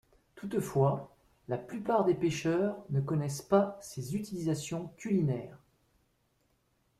Toutefois la plupart des pêcheurs ne connaissent pas ses utilisations culinaires.